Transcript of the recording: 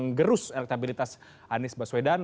mengerus elektabilitas anies baswedan